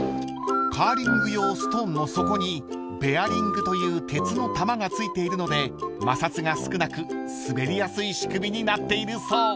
［カーリング用ストーンの底にベアリングという鉄の玉が付いているので摩擦が少なく滑りやすい仕組みになっているそう］